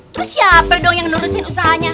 terus siapa dong yang nurusin usahanya